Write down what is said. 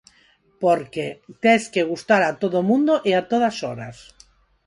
Por que tes que gustar a todo o mundo e a todas horas.